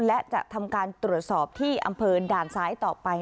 และจะทำการตรวจสอบที่อำเภอด่านซ้ายต่อไป